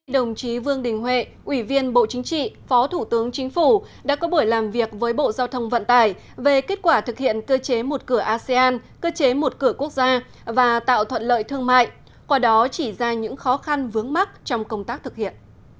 đồng chí vương đình huệ ủy viên bộ chính trị phó thủ tướng chính phủ đã có buổi làm việc với bộ giao thông vận tải về kết quả thực hiện cơ chế một cửa asean cơ chế một cửa quốc gia và tạo thuận lợi thương mại qua đó chỉ ra những khó khăn vướng mắt trong công tác thực hiện